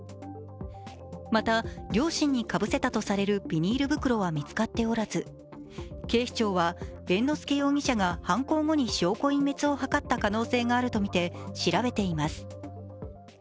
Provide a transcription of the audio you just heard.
また、両親にかぶせたとされるビニール袋は見つかっておらず、警視庁は、猿之助容疑者が犯行後に証拠隠滅を図った可能性があるとみて調べています。